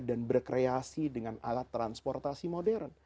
dan berkreasi dengan alat transportasi modern